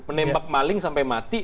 penembak maling sampai mati